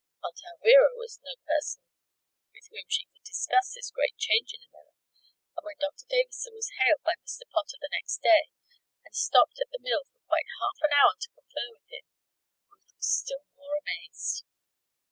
Aunt Alvirah was no person with whom she could discuss this great change in the miller; and when Doctor Davison was hailed by Mr. Potter the next day and stopped at the mill for quite half an hour to confer with him, Ruth was still more amazed.